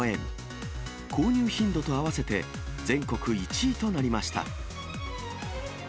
購入頻度と合わせて、全国１位となりました。